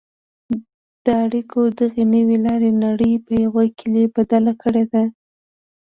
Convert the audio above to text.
د اړیکو دغې نوې لارې نړۍ په یوه کلي بدله کړې ده.